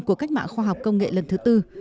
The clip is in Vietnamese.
của cách mạng khoa học công nghệ lần thứ tư